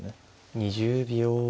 ２０秒。